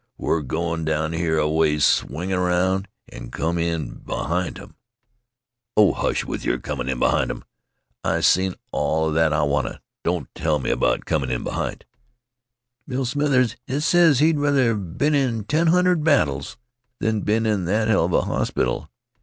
We're goin' down here aways, swing aroun', an' come in behint 'em." "Oh, hush, with your comin' in behint 'em. I've seen all 'a that I wanta. Don't tell me about comin' in behint " "Bill Smithers, he ses he'd rather been in ten hundred battles than been in that heluva hospital.